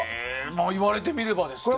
言われてみればですね。